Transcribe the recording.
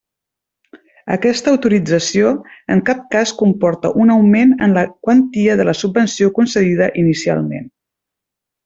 Aquesta autorització en cap cas comporta un augment en la quantia de la subvenció concedida inicialment.